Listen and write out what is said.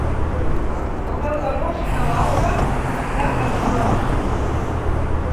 El deu d'agost na Laura anirà a Pinós.